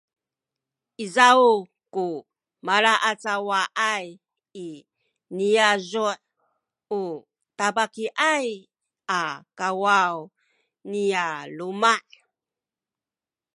izaw ku malaacawaay i niyazu’ u tabakiyay a kawaw nya luma’